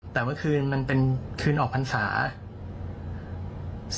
แต่เมื่อคืนมันเป็นคืนออกภัณฑ์ศาสตร์